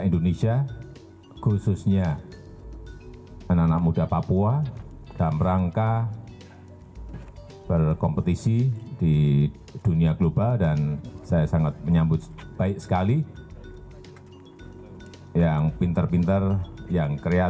nanti memberikan dampak yang besar pada